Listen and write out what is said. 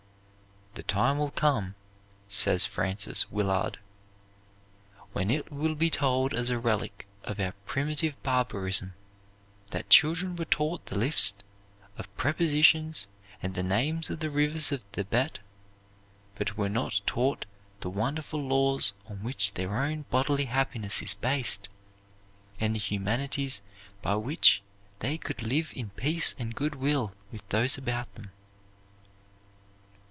"The time will come," says Frances Willard, "when it will be told as a relic of our primitive barbarism that children were taught the list of prepositions and the names of the rivers of Thibet, but were not taught the wonderful laws on which their own bodily happiness is based, and the humanities by which they could live in peace and goodwill with those about them."